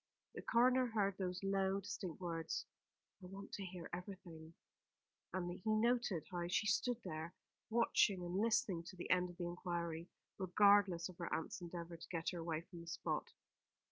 The coroner heard those low, distinct words, "I want to hear everything," and he noted how she stood there, watching and listening to the end of the inquiry, regardless of her aunt's endeavour to get her away from the spot.